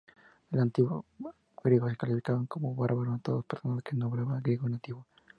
Los antiguos griegos calificaban como "bárbaro"- a toda persona que no hablara griego nativo.